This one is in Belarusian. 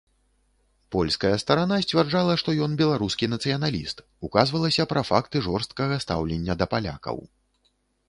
Польская старана сцвярджала, што ён беларускі нацыяналіст, указвалася пра факты жорсткага стаўлення да палякаў.